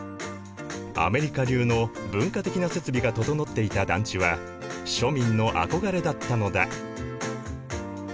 アメリカ流の文化的な設備が整っていた団地は庶民の憧れだったのだ。